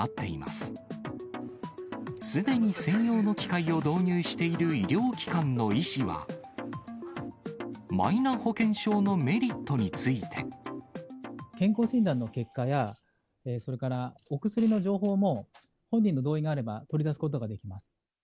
すでに専用の機械を導入している医療機関の医師は、マイナ保険証健康診断の結果や、それからお薬の情報も、本人の同意があれば取り出すことができます。